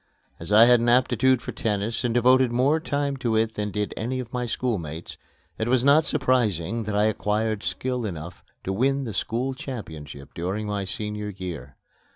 As I had an aptitude for tennis and devoted more time to it than did any of my schoolmates, it was not surprising that I acquired skill enough to win the school championship during my senior year.